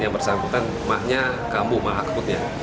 yang bersangkutan mahnya kambuh mah akutnya